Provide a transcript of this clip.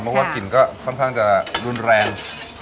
เพราะว่ากลิ่นก็ค่อนข้างจะรุนแรง